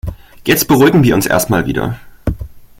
Jetzt beruhigen wir uns erst mal wieder.